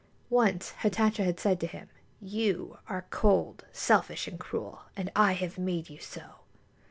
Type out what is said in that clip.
Once Hatatcha had said to him: "You are cold, selfish and cruel, and I have made you so."